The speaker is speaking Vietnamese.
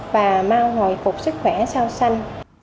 và mau hồi phục sức khỏe sau sanh